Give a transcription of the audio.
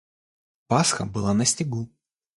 Пасха была на снегу.